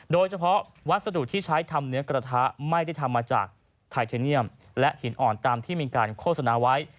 โดยเฉพาะวัสดุที่ใช้ทำเนื้อกระทะไม่ได้ทำมาจากไทเทเนียมและหินอ่อนตามที่มีการโฆษณาไว้